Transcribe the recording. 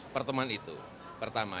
pertemuan itu pertama